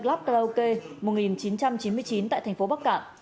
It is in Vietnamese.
karaoke một nghìn chín trăm chín mươi chín tại thành phố bắc cạn